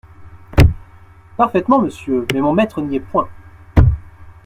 Parfaitement, monsieur, mais mon maître n’y est point.